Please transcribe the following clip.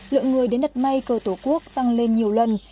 lượng người đến đặt may cờ tổ quốc tăng lên nhiều lần